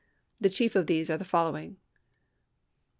The chief of these are the following. Allen v.